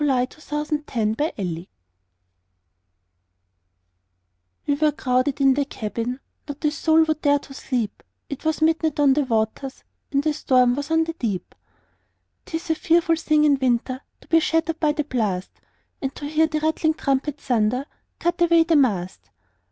Y Z Ballad of the Tempest WE were crowded in the cabin, Not a soul would dare to sleep, It was midnight on the waters, And a storm was on the deep. 'Tis a fearful thing in winter To be shattered by the blast, And to hear the rattling trumpet Thunder, "Cut away the mast!"